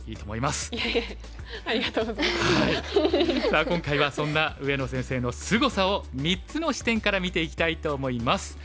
さあ今回はそんな上野先生のすごさを３つの視点から見ていきたいと思います。